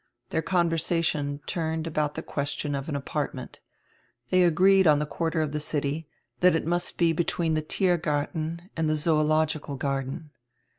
Their conversation turned about the question of an apartment. They agreed on die quarter of die city, that it must be between die Tiergarten and die Zoological Garden.